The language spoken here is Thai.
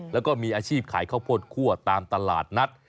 แล้วก็มีอาชีพขายข้าวโพดคั่วตามตลาดนัด